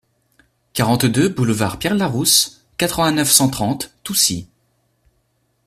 quarante-deux boulevard Pierre Larousse, quatre-vingt-neuf, cent trente, Toucy